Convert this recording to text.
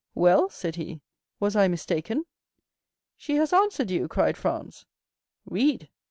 "Well," said he, "was I mistaken?" "She has answered you!" cried Franz. "Read."